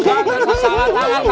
tadi salah tangan